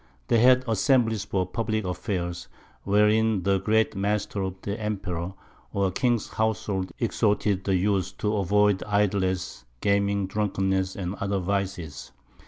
They had Assemblies for publick Affairs, wherein the Great Master of the Emperor or King's Houshold exhorted the Youth to avoid Idleness, Gaming, Drunkenness, and other Vices.